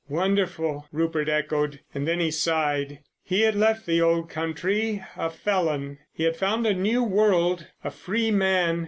"Wonderful!" Rupert echoed, and then he sighed. He had left the old country—a felon. He had found a new world, a free man!